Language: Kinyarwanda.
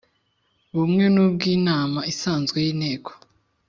bumwe n ubw inama isanzwe y Inteko